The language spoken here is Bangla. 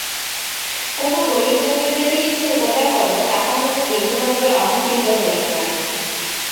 কোন গরীব লোকের যদি কিছু উপকার কর, তাহা হইলে বিন্দুমাত্র অহঙ্কৃত হইও না।